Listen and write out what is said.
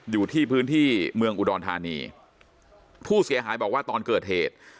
อยู่ที่พื้นที่เมืองอุดรธานีผู้เสียหายบอกว่าตอนเกิดเหตุ